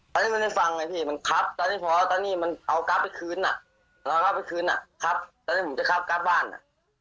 ตอนนี้มันไม่ฟังไงพี่มันครับตอนนี้พอตอนนี้มันเอากราฟไปคืนอ่ะตอนกราฟไปคืนอ่ะครับตอนนี้ผมจะคับการ์ดบ้านอ่ะ